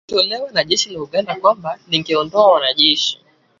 lililotolewa na jeshi la Uganda kwamba lingeondoa wanajeshi